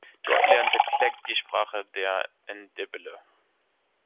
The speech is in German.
Dort lernte Clegg die Sprache der Ndebele.